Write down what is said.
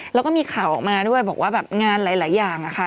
แล้วก็มีข่าวออกมาด้วยบอกว่าแบบงานหลายอย่างอะค่ะ